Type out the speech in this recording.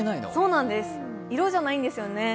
色じゃないんですよね。